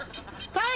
タイ。